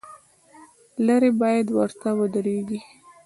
لرې باید ورته ودرېږې.